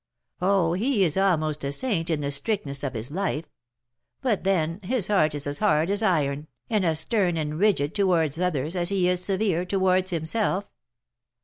Oh, he is almost a saint in the strictness of his life; but, then, his heart is as hard as iron, and as stern and rigid towards others as he is severe towards himself.